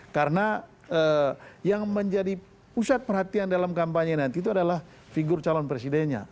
karena yang menjadi pusat perhatian dalam kampanye nanti itu adalah figur calon presidennya